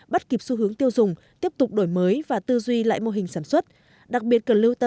bắt kịp xu hướng tiêu dùng tiếp tục đổi mới và tư duy lại mô hình sản xuất